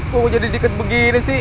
kok jadi deket begini sih